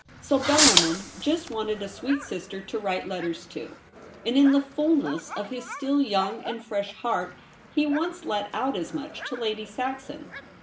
So Bellarmin just wanted a sweet sister to write letters to ; and in the fulness of his still young and fresh heart he once let out as much to Lady Saxon.